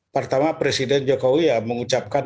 pertama presiden jokowi ya mengucapkan